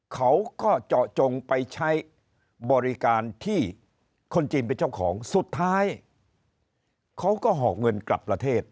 เขาก็เจาะจงไปใช้บริการที่คนจีนเป็นเจ้าของสุดท้ายเขาก็หอกเงินกลับประเทศ